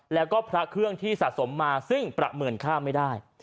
แล้วก็พระเครื่องที่สะสมมาซึ่งประเมินค่าไม่ได้